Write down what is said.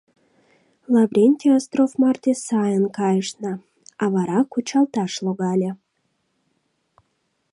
Лаврентий остров марте сайын кайышна, а вара кучалташ логале.